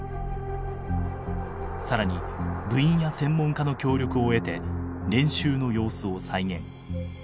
更に部員や専門家の協力を得て練習の様子を再現。